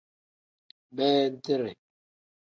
Beedire.